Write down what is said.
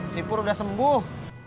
si pur udah sembuh